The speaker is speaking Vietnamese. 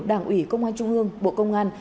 đảng ủy công an trung ương bộ công an